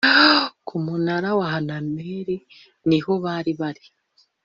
ku munara wa hananeli niho bari bari